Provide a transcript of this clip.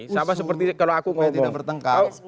sama seperti kalau aku ngomong